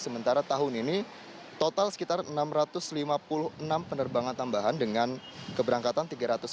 sementara tahun ini total sekitar enam ratus lima puluh enam penerbangan tambahan dengan keberangkatan tiga ratus enam puluh